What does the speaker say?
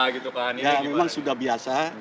gitu kan ya memang sudah biasa